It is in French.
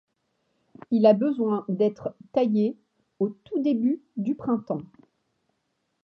Il a besoin d'être taillé au tout début du printemps.